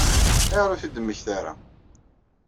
Ayɣer ur t-id-temmekta ara?